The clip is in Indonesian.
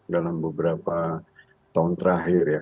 dalam beberapa tahun terakhir ya